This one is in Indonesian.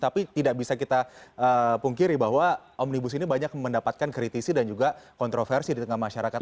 tapi tidak bisa kita pungkiri bahwa omnibus ini banyak mendapatkan kritisi dan juga kontroversi di tengah masyarakat